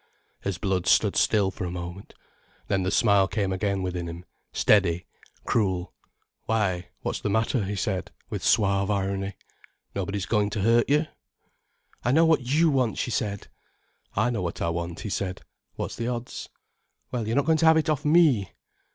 His blood stood still for a moment. Then the smile came again within him, steady, cruel. "Why, what's the matter?" he said, with suave irony. "Nobody's going to hurt you." "I know what you want," she said. "I know what I want," he said. "What's the odds?" "Well, you're not going to have it off _me.